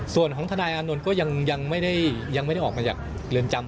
ส่วนของทนายอานนท์ก็ยังไม่ได้ออกมาจากเรือนจำ